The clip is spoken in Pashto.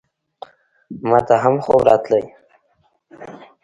ماته هم خوب راتلی !